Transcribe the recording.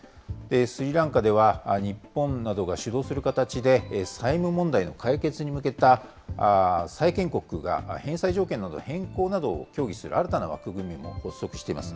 スリランカでは、日本などが主導する形で、債務問題の解決に向けた債権国が返済条件などの変更などを協議する新たな枠組みも発足しています。